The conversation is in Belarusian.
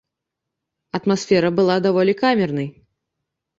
Атмасфера была даволі камернай.